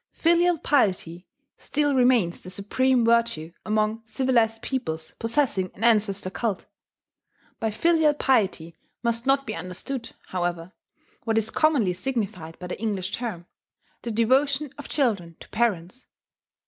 Filial piety still remains the supreme virtue among civilized peoples possessing an ancestor cult.... By filial piety must not be understood, however, what is commonly signified by the English term, the devotion of children to parents.